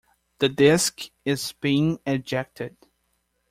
The disk is being ejected.